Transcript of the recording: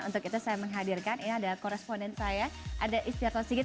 untuk itu saya menghadirkan ini ada koresponden saya ada istiarto sigit